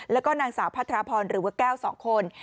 แล้วก็นางสาวพัทรพรหรือว่าแก้ว๒คน